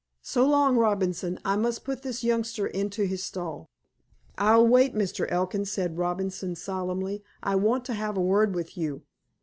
So long, Robinson! I must put this youngster into his stall." "I'll wait, Mr. Elkin," said Robinson solemnly. "I want to have a word with you."